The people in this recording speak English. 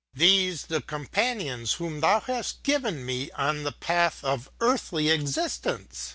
these the companions whom thou hast given me on the path of earthly existence